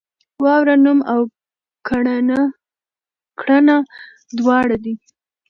واوره نوم او کړنه دواړه دي.